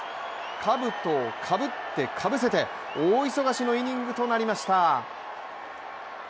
かぶとをかぶって、かぶせて大忙しのイニングとなりました。